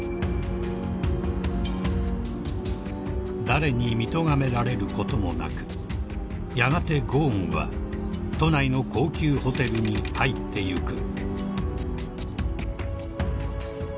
［誰に見とがめられることもなくやがてゴーンは都内の高級ホテルに入ってゆく］